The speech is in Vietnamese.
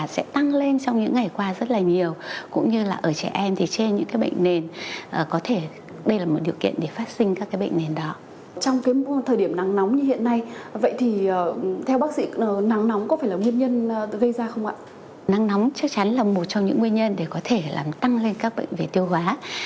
nắng nóng chắc chắn là một trong những nguyên nhân để có thể tăng lên các bệnh về tiêu hóa